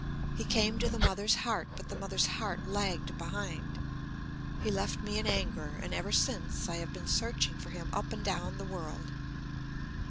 He came to the mother's heart, but the mother's heart lagged behind. He left me in anger; and ever since I have been searching for Him up and down the world.